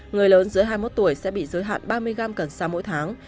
người lớn dưới hai mươi một tuổi sẽ bị giới hạn ba mươi gram cần xa mỗi tháng